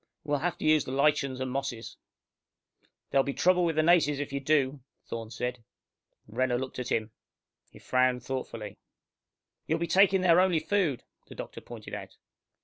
We'll have to use the lichens and the mosses." "There'll be trouble with the natives if you do," Thorne said. Renner looked at him. He frowned thoughtfully. "You'll be taking their only food," the doctor pointed out.